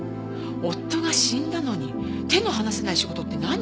夫が死んだのに手の放せない仕事って何？